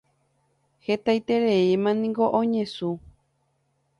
Hetaitémaniko oñesũ.